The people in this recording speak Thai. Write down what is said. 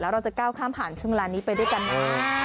เราจะก้าวข้ามผ่านช่วงเวลานี้ไปด้วยกันนะ